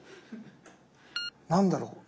何だろう？